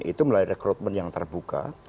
itu melalui rekrutmen yang terbuka